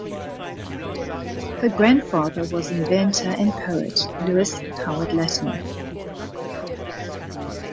Her grandfather was inventor and poet Lewis Howard Latimer.